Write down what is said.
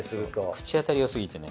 口当たりよすぎてね。